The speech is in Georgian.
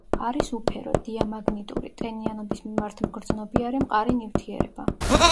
არის უფერო, დიამაგნიტური, ტენიანობის მიმართ მგრძნობიარე მყარი ნივთიერება.